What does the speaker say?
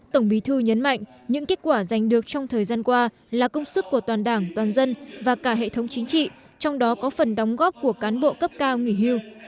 tổng bí thư nhấn mạnh những kết quả giành được trong thời gian qua là công sức của toàn đảng toàn dân và cả hệ thống chính trị trong đó có phần đóng góp của cán bộ cấp cao nghỉ hưu